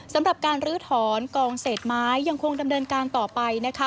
สำหรับการลื้อถอนกองเศษไม้ยังคงดำเนินการต่อไปนะคะ